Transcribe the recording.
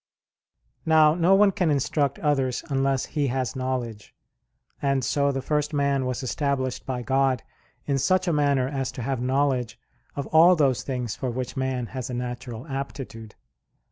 Now no one can instruct others unless he has knowledge, and so the first man was established by God in such a manner as to have knowledge of all those things for which man has a natural aptitude.